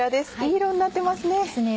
いい色になってますね。